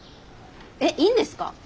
えっいいんですか！？